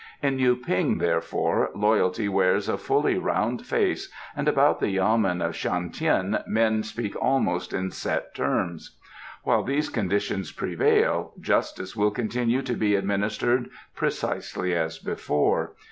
In Yu ping, therefore, loyalty wears a fully round face and about the yamen of Shan Tien men speak almost in set terms. While these conditions prevail, justice will continue to be administered precisely as before.